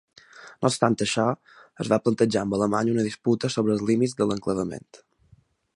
No obstant això, es va plantejar amb Alemanya una disputa sobre els límits de l'enclavament.